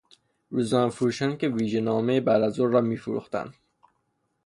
روزنامه فروشانی که ویژه نامهی بعدازظهر را میفروختند